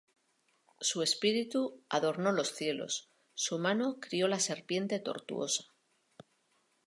Su espíritu adornó los cielos; Su mano crió la serpiente tortuosa.